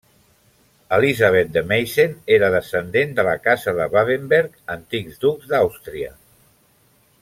Elisabet de Meissen era descendent de la casa de Babenberg, antics ducs d'Àustria.